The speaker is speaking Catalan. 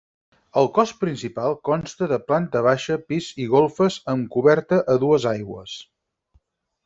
El cos principal consta de planta baixa, pis i golfes amb coberta a dues aigües.